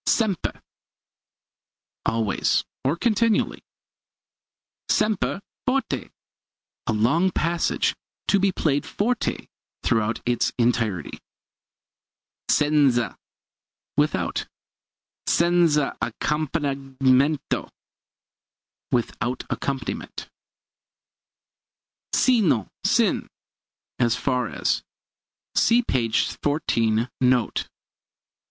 Sempre always, or continually. Sempre forte a long passage to be played forte throughout its entirety. Senza without. Senza accompagnamento without accompaniment. Sino, sin as far as. See p. 14, note.